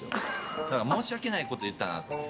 だから申し訳ないこと言ったなって。